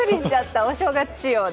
お正月仕様で。